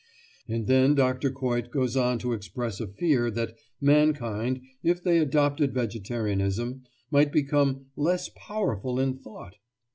And then Dr. Coit goes on to express a fear that mankind, if they adopted vegetarianism, might become "less powerful in thought"!